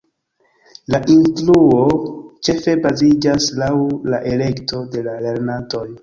La instruo ĉefe baziĝas laŭ la elekto de la lernantoj.